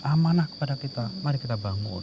amanah kepada kita mari kita bangun